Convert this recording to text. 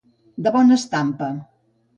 De bona estampa.